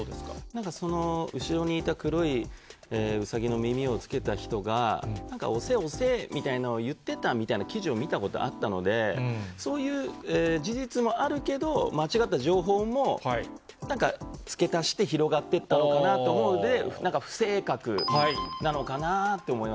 なんか、後ろにいた黒いウサギの耳をつけた人が、押せ押せみたいなのを言ってたみたいな記事を見たことがあったので、そういう事実もあるけど、間違った情報も、なんか付け足して、広がっていったのかなと思うので、なんか不正確なのかなって思い